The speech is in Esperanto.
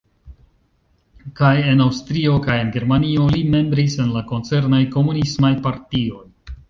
Kaj en Aŭstrio kaj en Germanio li membris en la koncernaj Komunismaj Partioj.